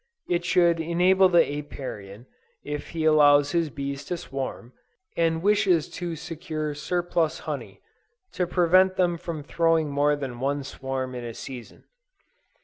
It should enable the Apiarian, if he allows his bees to swarm, and wishes to secure surplus honey, to prevent them from throwing more than one swarm in a season.